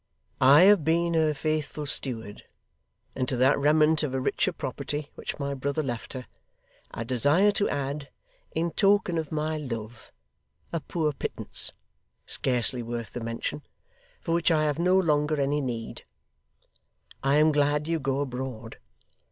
I have been her faithful steward, and to that remnant of a richer property which my brother left her, I desire to add, in token of my love, a poor pittance, scarcely worth the mention, for which I have no longer any need. I am glad you go abroad.